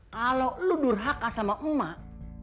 kalau lu durhaka sama emak